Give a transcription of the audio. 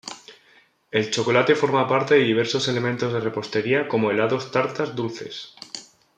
El chocolate forma parte de diversos elementos de repostería, como helados, tartas, dulces.